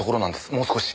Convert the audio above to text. もう少し。